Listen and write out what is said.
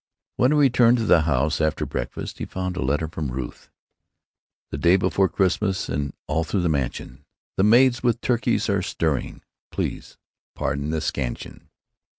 When he returned to the house, after breakfast, he found a letter from Ruth: The Day before Xmas & all thru the Mansion The Maids with Turkey are Stirring—Please Pardon the Scansion.